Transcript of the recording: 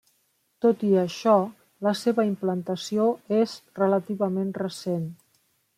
Tot i això la seva implantació és relativament recent.